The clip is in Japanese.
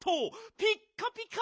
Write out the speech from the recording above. ピッカピカ！